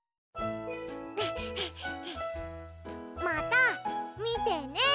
また見てね。